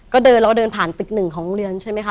ก็เดินแล้วก็เดินผ่านตึกหนึ่งของโรงเรียนใช่ไหมคะ